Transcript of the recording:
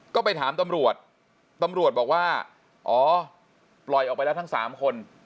ก็ไปถามตำรวจตำรวจบอกว่าอ๋อปล่อยออกไปแล้วทั้ง๓คน